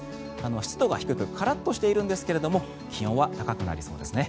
湿度が低くカラッとしているんですが気温は高くなりそうですね。